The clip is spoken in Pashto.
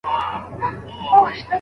قوالې چي دي لیکلې د غلمانو او د حورو